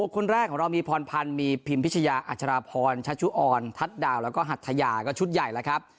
คนแรกของเรามีพรพันธ์มีพิมพิชยาอัชราพรชัชชุออนทัศน์ดาวแล้วก็หัทยาก็ชุดใหญ่แล้วครับ